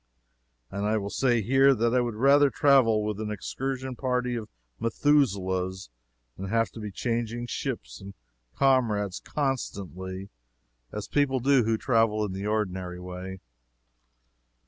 And I will say, here, that I would rather travel with an excursion party of Methuselahs than have to be changing ships and comrades constantly, as people do who travel in the ordinary way.